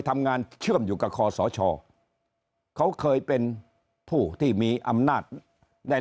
ทำงานเชื่อมอยู่กับคอสชเขาเคยเป็นผู้ที่มีอำนาจได้